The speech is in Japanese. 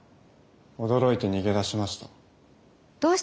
驚いて逃げ出しました。